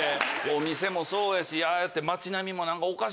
お店もそうやしああやって街並みも。